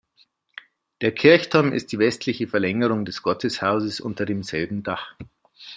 Der Kirchturm ist die westliche Verlängerung des Gotteshauses unter demselben Dach.